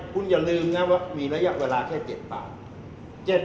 คุณอย่าลืมนะว่ามีระยะเวลาแค่๗ปาก